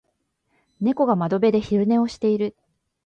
猫が窓辺で昼寝をしている。